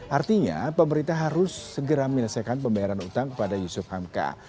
artinya pemerintah harus segera menyelesaikan pembayaran utang kepada yusuf hamka